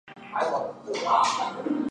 朗提尼人口变化图示